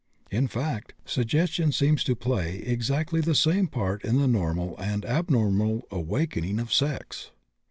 In fact, suggestion seems to play exactly the same part in the normal and abnormal awakening of sex."